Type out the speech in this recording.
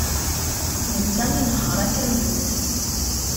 Netta inehheṛ akamyun.